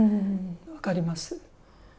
分かります。